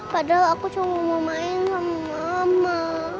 padahal aku cuma mau main sama mama